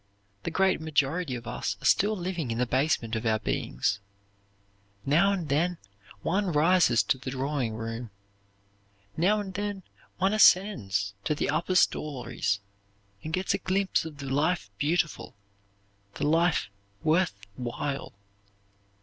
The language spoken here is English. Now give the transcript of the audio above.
The great majority of us are still living in the basement of our beings. Now and then one rises to the drawing room. Now and then one ascends to the upper stories and gets a glimpse of the life beautiful, the life worth while.